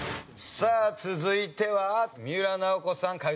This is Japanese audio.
さあ続いては三浦奈保子さん